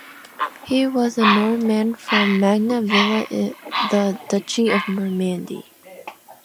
He was a Norman from Magna Villa in the Duchy of Normandy.